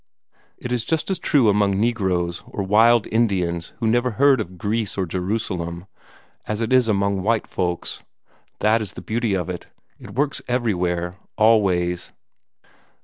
It is just as true among negroes or wild Indians who never heard of Greece or Jerusalem, as it is among white folks. That is the beauty of it. It works everywhere, always."